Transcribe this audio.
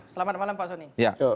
selamat malam pak sony